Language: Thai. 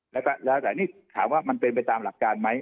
แล้วก็แล้วแต่นี่ถามว่ามันเป็นไปตามหลักการไหม